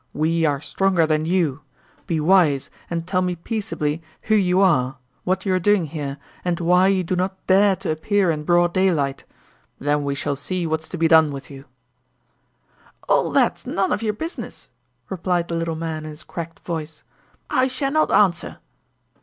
We are stronger than you be wise and tell me peaceably who you are, what you are doing here, and why you do not dare to appear in broad daylight. Then we shall see what's to be done with you." "All that's none of your business," replied the little man in his cracked voice. "I shall not answer."